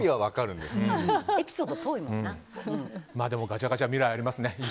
でもガチャガチャ未来ありますね。